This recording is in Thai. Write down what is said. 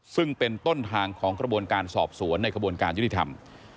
ซึ่งเป็นต้นทางของกระบวนการสอบสวนในกระบวนการยุติธรรม